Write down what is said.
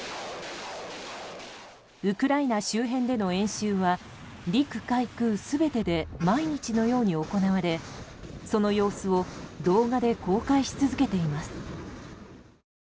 ウクライナ周辺での演習は陸海空全てで毎日のように行われその様子を動画で公開し続けています。